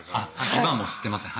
今は吸ってません